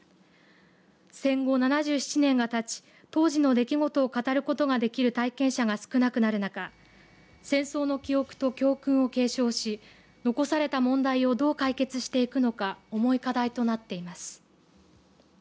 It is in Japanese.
戦後７７年がたち当時の出来事を語ることができる体験者が少なくなる中戦争の記憶と教訓を継承し残された問題をどう解決していくのか重い課題となっています。